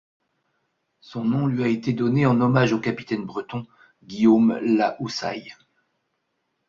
Son nom lui a été donné en hommage au capitaine breton, Guillaume La Houssaye.